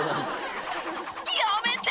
やめて！